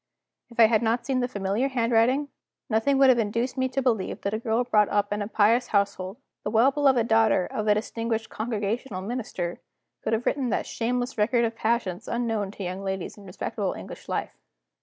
If I had not seen the familiar handwriting, nothing would have induced me to believe that a girl brought up in a pious household, the well beloved daughter of a distinguished Congregational Minister, could have written that shameless record of passions unknown to young ladies in respectable English life.